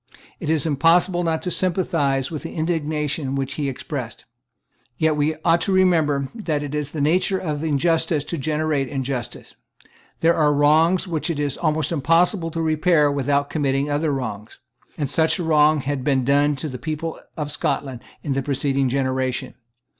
It is impossible not to sympathize with the indignation which he expressed. Yet we ought to remember that it is the nature of injustice to generate injustice. There are wrongs which it is almost impossible to repair without committing other wrongs; and such a wrong had been done to the people of Scotland in the preceding generation.